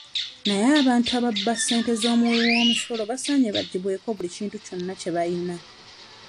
Naye abantu ababba ssente z'omuwiwoomusolo basaanye baggyibweko buli kintu kyonna kye bayina.